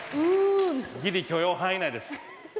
ギリ許容範囲内です。